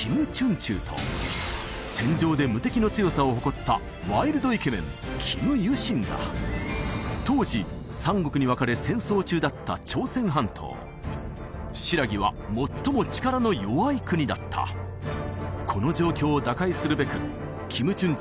チュウと戦場で無敵の強さを誇ったワイルドイケメンキム・ユシンだ当時三国に分かれ戦争中だった朝鮮半島新羅は最も力の弱い国だったこの状況を打開するべくキム・チュン